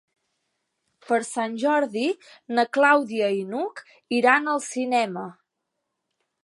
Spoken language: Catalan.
Per Sant Jordi na Clàudia i n'Hug iran al cinema.